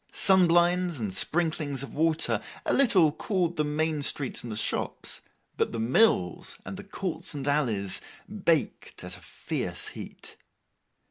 Sun blinds, and sprinklings of water, a little cooled the main streets and the shops; but the mills, and the courts and alleys, baked at a fierce heat.